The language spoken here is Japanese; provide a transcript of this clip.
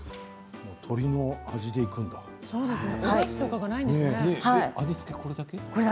鶏の味でいくんだ。